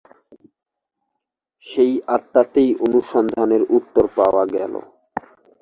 সেই আত্মাতেই অনুসন্ধানের উত্তর পাওয়া গেল।